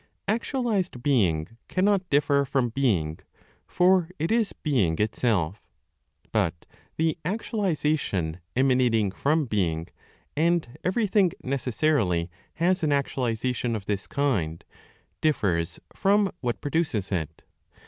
Actualized being cannot differ from being, for it is being itself. But the actualization emanating from being and everything necessarily has an actualization of this kind differs from what produces it.